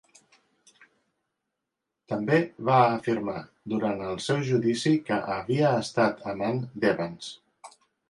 També va afirmar durant el seu judici que havia estat amant d'Evans.